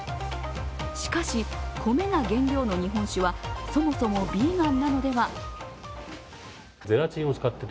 しかし、米が原料の日本酒はそもそもヴィーガンなのでは？